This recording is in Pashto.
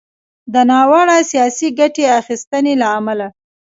د ناوړه “سياسي ګټې اخيستنې” له امله